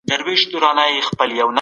خلک به پوهه ترلاسه کړې وي.